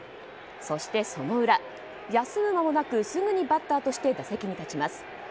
そして、その裏。休む間もなくすぐにバッターとして打席に立ちます。